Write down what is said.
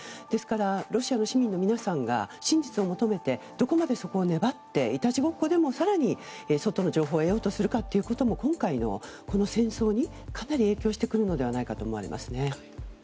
ですから、ロシア市民の皆さんが真実を求めてどこまでそこを粘っていたちごっこでも更に外の情報を得ようとするかというのも今回のこの戦争にかなり影響してくるのではないかと思われます。